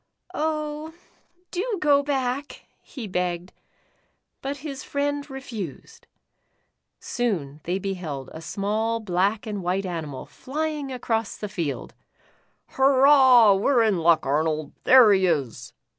" Oh, do go back," he begged, but his friend refused. Soon they beheld a small black and white animal flying across the field. " Hurrah, we 're in luck, Arnold. There he is.